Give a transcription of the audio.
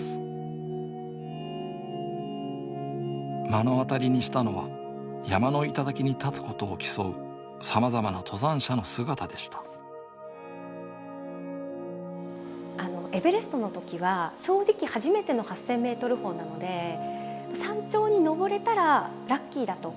目の当たりにしたのは山の頂に立つことを競うさまざまな登山者の姿でしたエベレストの時は正直初めての８０００ｍ峰なので山頂に登れたらラッキーだと。